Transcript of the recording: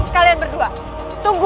kalian berdua tunggu